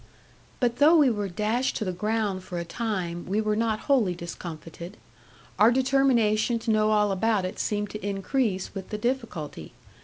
'But though we were dashed to the ground for a time, we were not wholly discomfited. Our determination to know all about it seemed to increase with the difficulty.